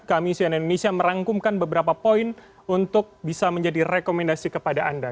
kami cnn indonesia merangkumkan beberapa poin untuk bisa menjadi rekomendasi kepada anda